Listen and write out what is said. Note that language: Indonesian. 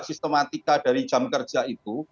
sistematika dari jam kerja itu